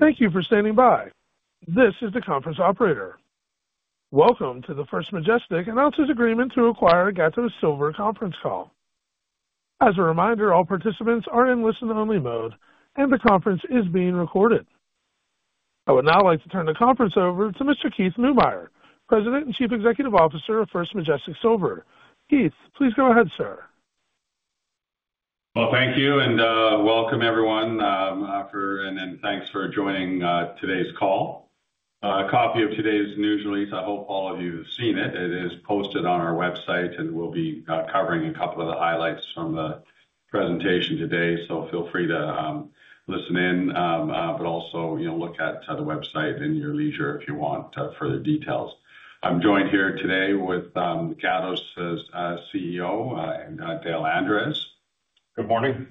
Thank you for standing by. This is the conference operator. Welcome to the First Majestic announces agreement to acquire Gatos Silver conference call. As a reminder, all participants are in listen only mode, and the conference is being recorded. I would now like to turn the conference over to Mr. Keith Neumeyer, President and Chief Executive Officer of First Majestic Silver. Keith, please go ahead, sir. Thank you, and welcome everyone, and then thanks for joining today's call. A copy of today's news release, I hope all of you have seen it. It is posted on our website, and we'll be covering a couple of the highlights from the presentation today, so feel free to listen in, but also, you know, look at the website at your leisure if you want further details. I'm joined here today with Gatos' CEO, Dale Andres. Good morning.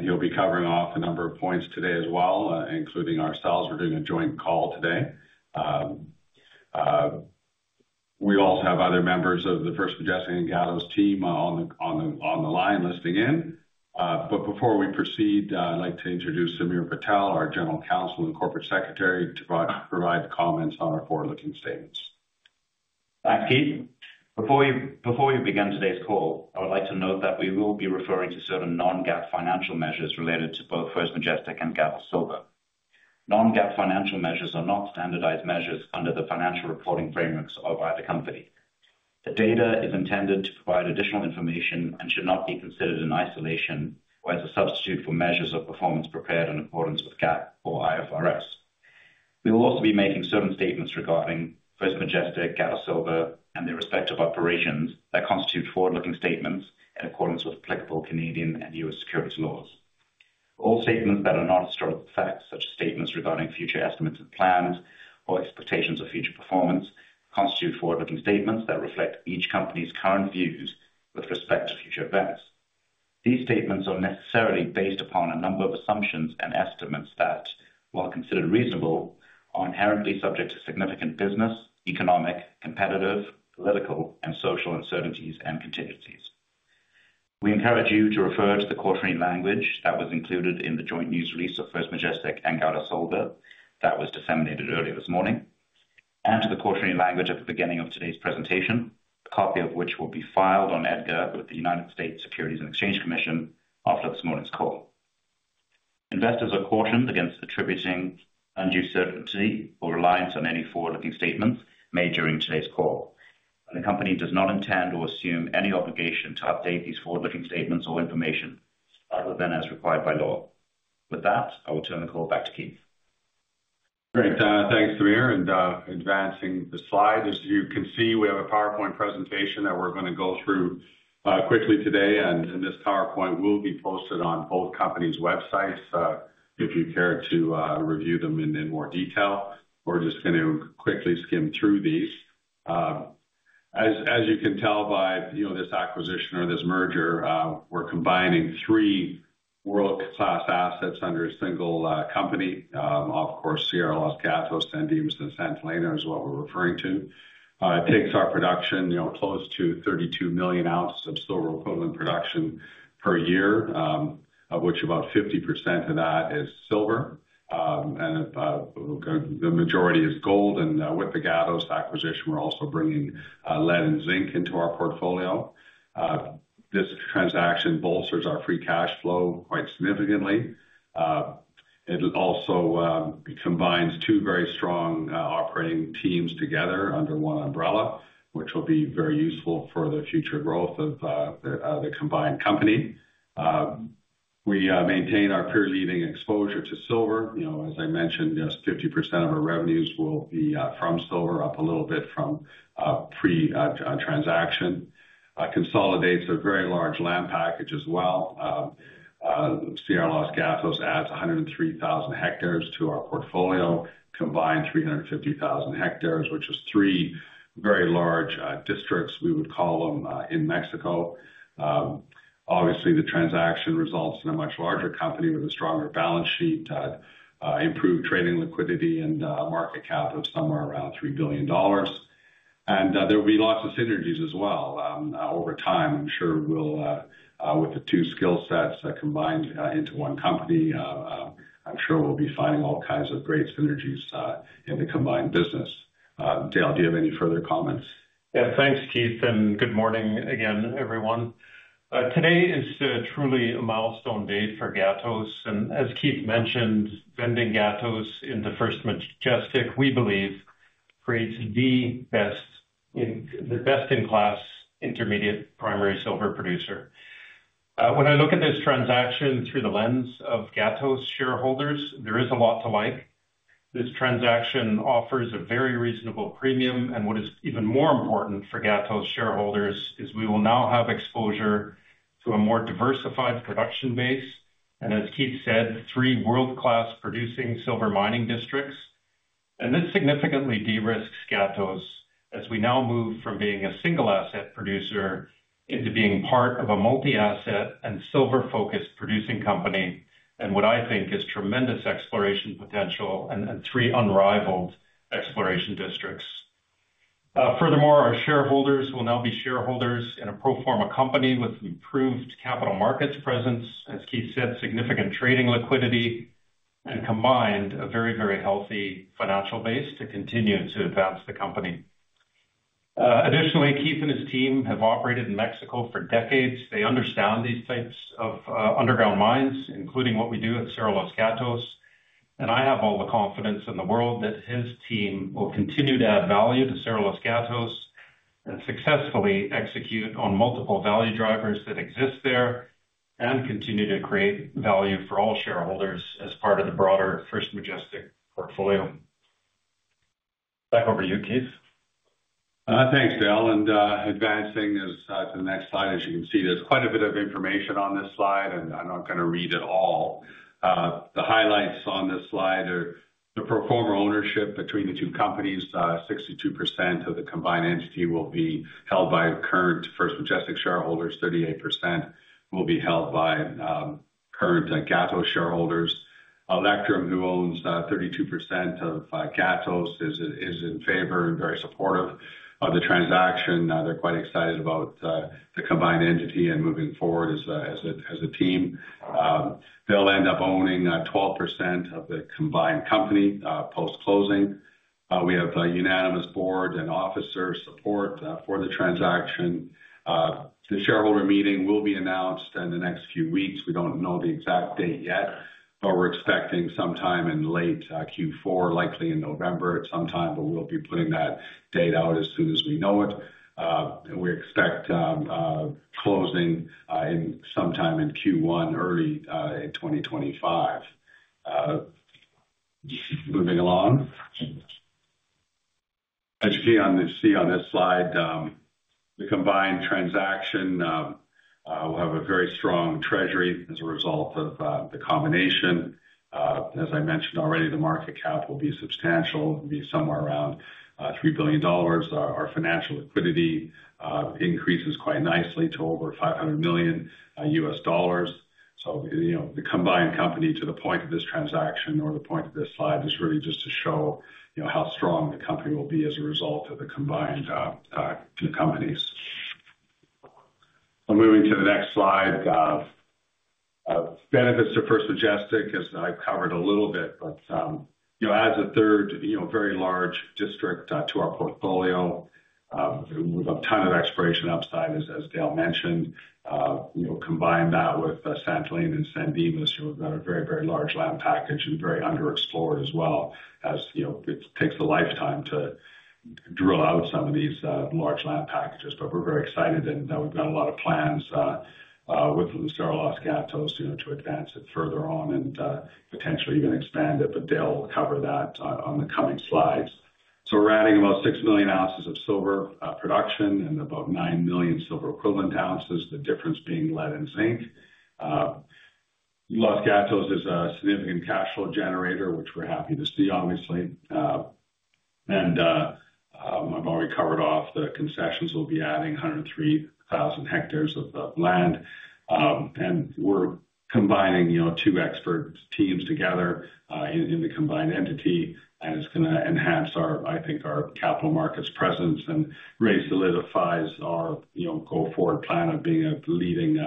He'll be covering off a number of points today as well, including ourselves. We're doing a joint call today. We also have other members of the First Majestic and Gatos team on the line listening in. But before we proceed, I'd like to introduce Samir Patel, our General Counsel and Corporate Secretary, to provide comments on our forward-looking statements. Thanks, Keith. Before we begin today's call, I would like to note that we will be referring to certain non-GAAP financial measures related to both First Majestic and Gatos Silver. Non-GAAP financial measures are not standardized measures under the financial reporting frameworks of either company. The data is intended to provide additional information and should not be considered in isolation or as a substitute for measures of performance prepared in accordance with GAAP or IFRS. We will also be making certain statements regarding First Majestic, Gatos Silver, and their respective operations that constitute forward-looking statements in accordance with applicable Canadian and U.S. securities laws. All statements that are not historic facts, such as statements regarding future estimates and plans or expectations of future performance, constitute forward-looking statements that reflect each company's current views with respect to future events. These statements are necessarily based upon a number of assumptions and estimates that, while considered reasonable, are inherently subject to significant business, economic, competitive, political, and social uncertainties and contingencies. We encourage you to refer to the cautionary language that was included in the joint news release of First Majestic and Gatos Silver that was disseminated earlier this morning, and to the cautionary language at the beginning of today's presentation, a copy of which will be filed on EDGAR with the United States Securities and Exchange Commission after this morning's call. Investors are cautioned against attributing undue certainty or reliance on any forward-looking statements made during today's call. The company does not intend or assume any obligation to update these forward-looking statements or information, other than as required by law. With that, I will turn the call back to Keith. Great. Thanks, Samir, and advancing the slide. As you can see, we have a PowerPoint presentation that we're gonna go through quickly today, and this PowerPoint will be posted on both companies' websites if you care to review them in more detail. We're just going to quickly skim through these. As you can tell by, you know, this acquisition or this merger, we're combining three world-class assets under a single company. Of course, Cerro Los Gatos, San Dimas and Santa Elena is what we're referring to. It takes our production, you know, close to 32 million ounces of silver equivalent production per year, of which about 50% of that is silver, and the majority is gold, and with the Gatos acquisition, we're also bringing lead and zinc into our portfolio. This transaction bolsters our free cash flow quite significantly. It also combines two very strong operating teams together under one umbrella, which will be very useful for the future growth of the combined company. We maintain our peer leading exposure to silver. You know, as I mentioned, just 50% of our revenues will be from silver, up a little bit from pre transaction. Consolidates a very large land package as well. Cerro Los Gatos adds 103,000 hectares to our portfolio, combined 350,000 hectares, which is three very large districts, we would call them, in Mexico. Obviously, the transaction results in a much larger company with a stronger balance sheet, improved trading liquidity and a market cap of somewhere around $3 billion. And there will be lots of synergies as well. Over time, I'm sure we'll with the two skill sets that combined into one company, I'm sure we'll be finding all kinds of great synergies in the combined business. Dale, do you have any further comments? Yeah. Thanks, Keith, and good morning again, everyone. Today is truly a milestone day for Gatos, and as Keith mentioned, vending Gatos into First Majestic, we believe creates the best in class, intermediate primary silver producer. When I look at this transaction through the lens of Gatos shareholders, there is a lot to like. This transaction offers a very reasonable premium, and what is even more important for Gatos shareholders is we will now have exposure to a more diversified production base, and as Keith said, three world-class producing silver mining districts, and this significantly de-risks Gatos as we now move from being a single asset producer into being part of a multi-asset and silver-focused producing company, and what I think is tremendous exploration potential and three unrivaled exploration districts. Furthermore, our shareholders will now be shareholders in a pro forma company with improved capital markets presence, as Keith said, significant trading liquidity, and combined a very, very healthy financial base to continue to advance the company. Additionally, Keith and his team have operated in Mexico for decades. They understand these types of underground mines, including what we do at Cerro Los Gatos, and I have all the confidence in the world that his team will continue to add value to Cerro Los Gatos and successfully execute on multiple value drivers that exist there, and continue to create value for all shareholders as part of the broader First Majestic portfolio. Back over to you, Keith. Thanks, Dale, and advancing to the next slide. As you can see, there's quite a bit of information on this slide, and I'm not going to read it all. The highlights on this slide are the pro forma ownership between the two companies. 62% of the combined entity will be held by current First Majestic shareholders, 38% will be held by current Gatos shareholders. Electrum, who owns 32% of Gatos, is in favor and very supportive of the transaction. They're quite excited about the combined entity and moving forward as a team. They'll end up owning 12% of the combined company post-closing. We have a unanimous board and officer support for the transaction. The shareholder meeting will be announced in the next few weeks. We don't know the exact date yet, but we're expecting sometime in late Q4, likely in November at some time, but we'll be putting that date out as soon as we know it. And we expect closing in sometime in Q1, early in 2025. Moving along. As you see on this slide, the combined transaction will have a very strong treasury as a result of the combination. As I mentioned already, the market cap will be substantial. It'll be somewhere around $3 billion. Our financial liquidity increases quite nicely to over $500 million U.S. dollars. You know, the combined company, to the point of this transaction or the point of this slide, is really just to show, you know, how strong the company will be as a result of the combined two companies. I'm moving to the next slide. Benefits to First Majestic, as I've covered a little bit, but you know, adds a third, you know, very large district to our portfolio with a ton of exploration upside, as Dale mentioned. You know, combine that with Santa Elena and San Dimas, who have got a very, very large land package and very underexplored as well, as you know, it takes a lifetime to drill out some of these large land packages. But we're very excited, and we've got a lot of plans with Cerro Los Gatos, you know, to advance it further on and potentially even expand it, but Dale will cover that on the coming slides. So we're adding about 6 million ounces of silver production and about 9 million silver equivalent ounces, the difference being lead and zinc. Los Gatos is a significant cash flow generator, which we're happy to see, obviously. And I've already covered off the concessions. We'll be adding 103,000 hectares of land. And we're combining, you know, two expert teams together in the combined entity, and it's going to enhance our, I think, our capital markets presence and really solidifies our, you know, go-forward plan of being a leading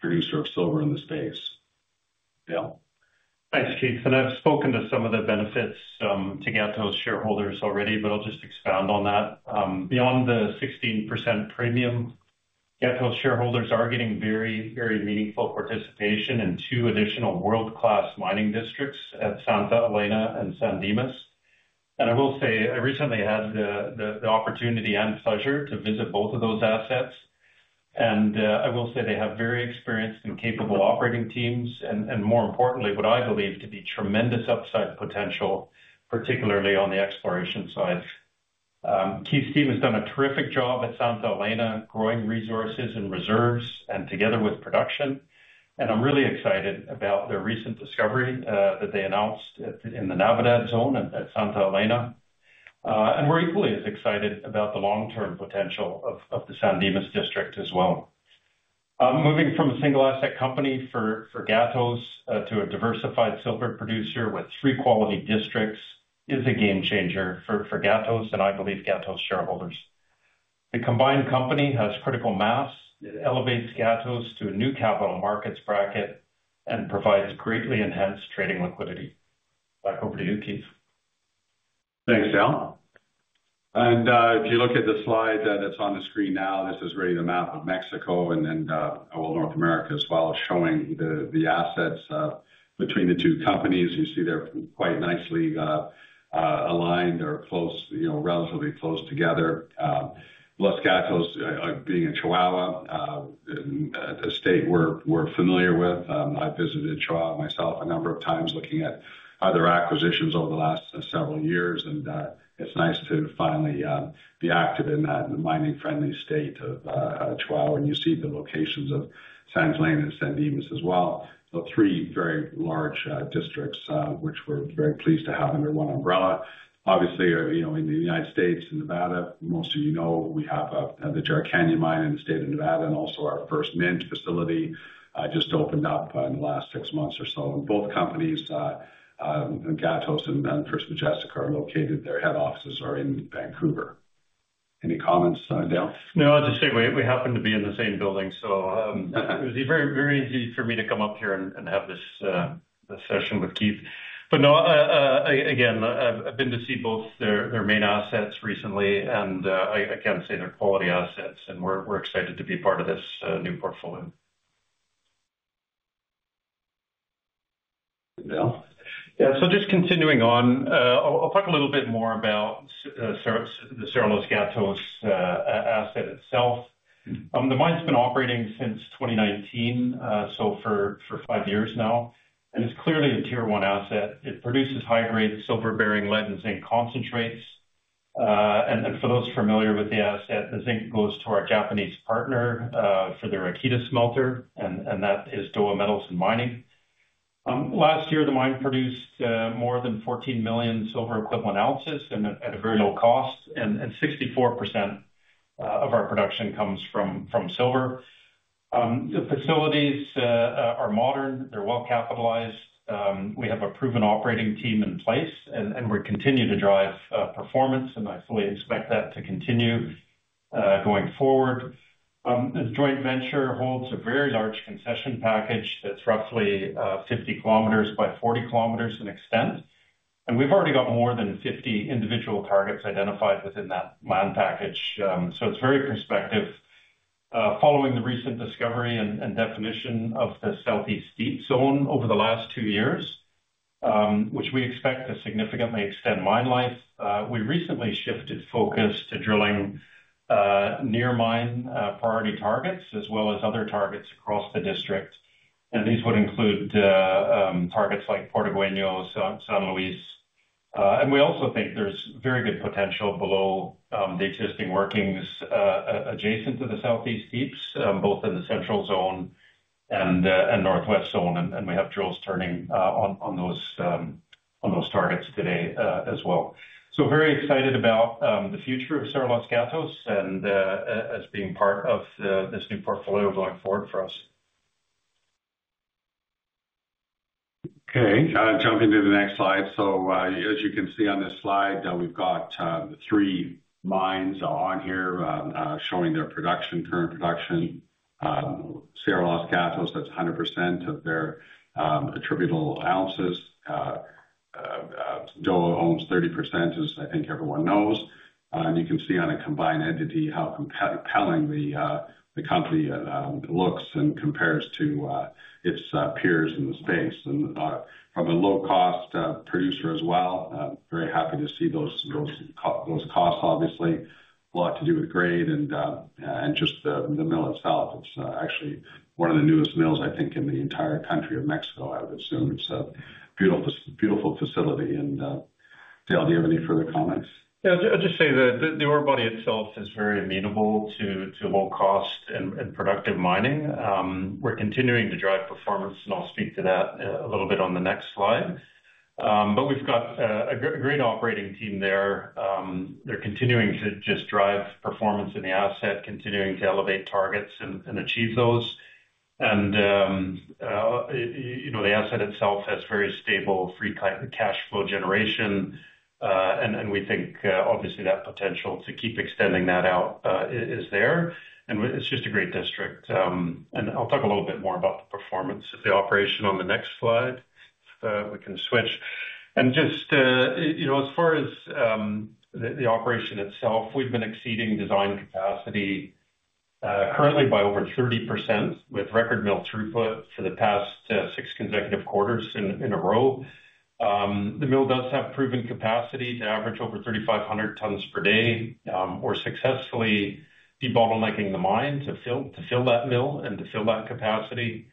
producer of silver in the space. Dale? Thanks, Keith. I've spoken to some of the benefits to Gatos shareholders already, but I'll just expound on that. Beyond the 16% premium, Gatos shareholders are getting very, very meaningful participation in two additional world-class mining districts at Santa Elena and San Dimas. And I will say, I recently had the opportunity and pleasure to visit both of those assets, and I will say they have very experienced and capable operating teams, and more importantly, what I believe to be tremendous upside potential, particularly on the exploration side. Keith's team has done a terrific job at Santa Elena, growing resources and reserves and together with production. And I'm really excited about their recent discovery that they announced in the Navidad zone at Santa Elena. And we're equally as excited about the long-term potential of the San Dimas district as well. Moving from a single asset company for Gatos to a diversified silver producer with three quality districts is a game changer for Gatos, and I believe Gatos shareholders. The combined company has critical mass. It elevates Gatos to a new capital markets bracket and provides greatly enhanced trading liquidity. Back over to you, Keith. Thanks, Dale. And if you look at the slide that's on the screen now, this is really the map of Mexico and then, well, North America as well, showing the assets between the two companies. You see they're quite nicely aligned or close, you know, relatively close together. Los Gatos being in Chihuahua, in a state we're familiar with. I visited Chihuahua myself a number of times, looking at other acquisitions over the last several years, and it's nice to finally be active in that mining-friendly state of Chihuahua. And you see the locations of Santa Elena and San Dimas as well. So three very large districts, which we're very pleased to have under one umbrella. Obviously, you know, in the United States and Nevada, most of you know, we have the Jerritt Canyon mine in the state of Nevada, and also our First Mint facility just opened up in the last six months or so. And both companies, Gatos and then First Majestic, are located, their head offices are in Vancouver.... Any comments, Dale? No, I'll just say we happen to be in the same building, so it was very, very easy for me to come up here and have this session with Keith. But no, again, I've been to see both their main assets recently, and I can say they're quality assets, and we're excited to be part of this new portfolio. Dale? Yeah, so just continuing on, I'll talk a little bit more about the Cerro Los Gatos asset itself. The mine's been operating since 2019, so for five years now, and it's clearly a Tier One asset. It produces high-grade silver-bearing lead and zinc concentrates. And for those familiar with the asset, the zinc goes to our Japanese partner for their Akita smelter, and that is Dowa Metals and Mining. Last year, the mine produced more than 14 million silver equivalent ounces and at a very low cost, and 64% of our production comes from silver. The facilities are modern, they're well-capitalized. We have a proven operating team in place, and we continue to drive performance, and I fully expect that to continue going forward. The joint venture holds a very large concession package that's roughly 50 km by 40 km in extent, and we've already got more than 50 individual targets identified within that land package. So it's very prospective. Following the recent discovery and definition of the South-East Deeps over the last two years, which we expect to significantly extend mine life, we recently shifted focus to drilling near mine priority targets, as well as other targets across the district. These would include targets like Portuegueño, San Luis. And we also think there's very good potential below the existing workings adjacent to the South-East Deeps, both in the Central Zone and Northwest Zone, and we have drills turning on those targets today, as well, so very excited about the future of Cerro Los Gatos and as being part of this new portfolio going forward for us. Okay, jumping to the next slide. So, as you can see on this slide, we've got the three mines on here, showing their production, current production. Cerro Los Gatos, that's 100% of their attributable ounces. Dowa owns 30%, as I think everyone knows. And you can see on a combined entity how compelling the company looks and compares to its peers in the space, and from a low-cost producer as well. Very happy to see those costs, obviously. A lot to do with grade and just the mill itself. It's actually one of the newest mills, I think, in the entire country of Mexico, I would assume. It's a beautiful, beautiful facility, and, Dale, do you have any further comments? Yeah, I'll just say that the ore body itself is very amenable to low cost and productive mining. We're continuing to drive performance, and I'll speak to that a little bit on the next slide. But we've got a great operating team there. They're continuing to just drive performance in the asset, continuing to elevate targets and achieve those. And you know, the asset itself has very stable free cash flow generation. And we think, obviously, that potential to keep extending that out is there, and it's just a great district. And I'll talk a little bit more about the performance of the operation on the next slide, if we can switch. And just, you know, as far as the operation itself, we've been exceeding design capacity currently by over 30%, with record mill throughput for the past six consecutive quarters in a row. The mill does have proven capacity to average over 3,500 tons per day. We're successfully debottlenecking the mine to fill that mill and to fill that capacity.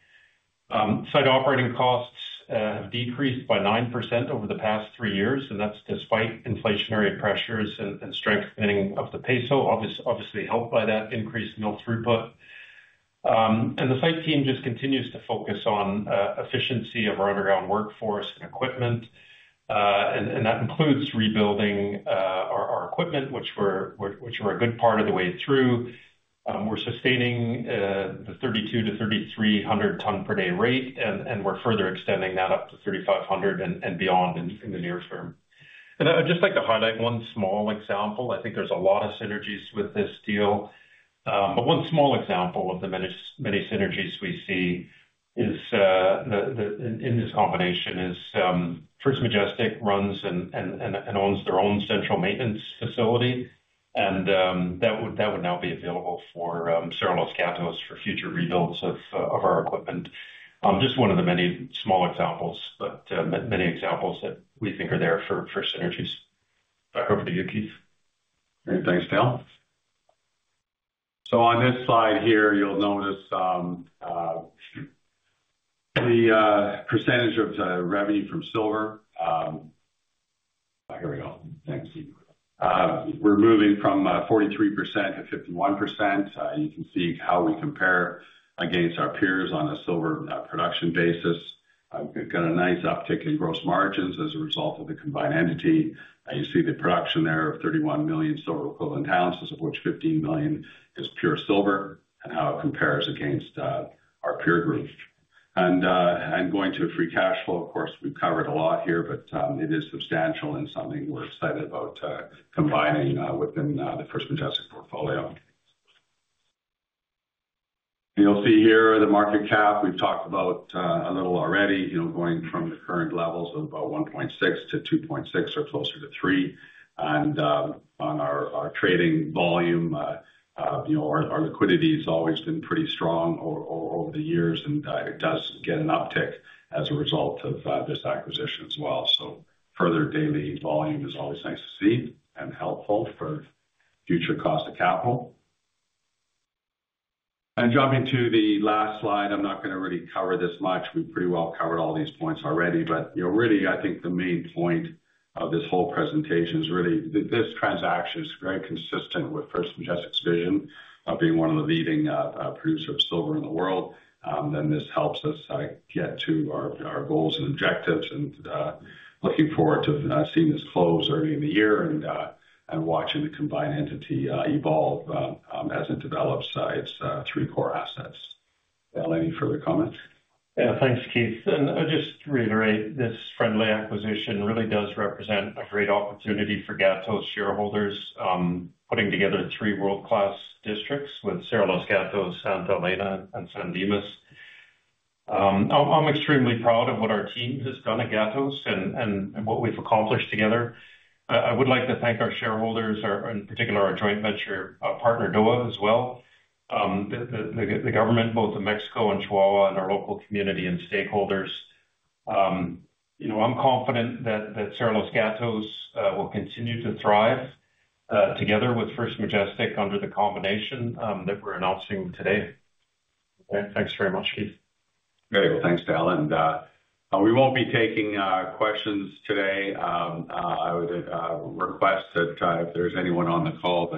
Site operating costs have decreased by 9% over the past three years, and that's despite inflationary pressures and strengthening of the peso, obviously helped by that increased mill throughput. The site team just continues to focus on efficiency of our underground workforce and equipment, and that includes rebuilding our equipment, which we're a good part of the way through. We're sustaining the 3,200-3,300 ton per day rate, and we're further extending that up to 3,500 and beyond in the near term. And I'd just like to highlight one small example. I think there's a lot of synergies with this deal. But one small example of the many many synergies we see is the in this combination is First Majestic runs and owns their own central maintenance facility, and that would now be available for Cerro Los Gatos for future rebuilds of our equipment. Just one of the many small examples, but many examples that we think are there for synergies. Back over to you, Keith. Great. Thanks, Dale. So on this slide here, you'll notice the percentage of revenue from silver. Here we go. Thanks, Keith. We're moving from 43% to 51%. You can see how we compare against our peers on a silver production basis. We've got a nice uptick in gross margins as a result of the combined entity. You see the production there of 31 million silver equivalent ounces, of which 15 million is pure silver, and how it compares against our peer group. And going to free cash flow, of course, we've covered a lot here, but it is substantial and something we're excited about, combining within the First Majestic portfolio. You'll see here the market cap. We've talked about a little already, you know, going from the current levels of about 1.6 to 2.6 or closer to 3. And on our trading volume, you know, our liquidity has always been pretty strong over the years, and it does get an uptick as a result of this acquisition as well. So further daily volume is always nice to see and helpful for future cost of capital. And jumping to the last slide, I'm not going to really cover this much. We've pretty well covered all these points already, but you know, really, I think the main point of this whole presentation is really this transaction is very consistent with First Majestic's vision of being one of the leading producers of silver in the world. Then this helps us get to our goals and objectives and looking forward to seeing this close early in the year and watching the combined entity evolve as it develops its three core assets. Dale, any further comments? Yeah, thanks, Keith. And just to reiterate, this friendly acquisition really does represent a great opportunity for Gatos shareholders, putting together three world-class districts with Cerro Los Gatos, Santa Elena, and San Dimas. I'm extremely proud of what our team has done at Gatos and what we've accomplished together. I would like to thank our shareholders, in particular, our joint venture partner, Dowa, as well, the government, both in Mexico and Chihuahua, and our local community and stakeholders. You know, I'm confident that Cerro Los Gatos will continue to thrive together with First Majestic under the combination that we're announcing today. And thanks very much, Keith. Very well. Thanks, Dale. And we won't be taking questions today. I would request that if there's anyone on the call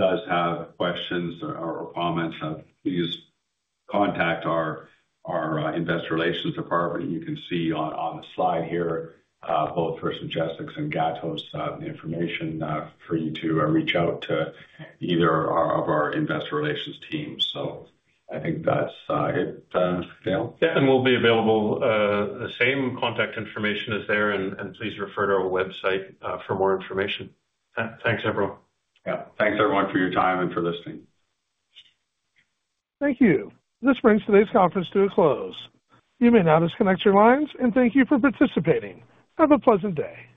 that does have questions or comments, please contact our investor relations department. You can see on the slide here both First Majestic's and Gatos information for you to reach out to either of our investor relations teams. So I think that's it, Dale? Yeah, and we'll be available. The same contact information is there, and, and please refer to our website for more information. Thanks, everyone. Yeah. Thanks, everyone, for your time and for listening. Thank you. This brings today's conference to a close. You may now disconnect your lines, and thank you for participating. Have a pleasant day.